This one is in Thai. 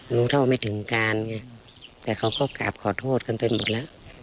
รู้เท่าไม่ถึงการไงแต่เขาก็กราบขอโทษกันไปหมดแล้ว